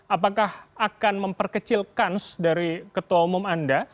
apakah akan memperkecilkan dari ketua umum anda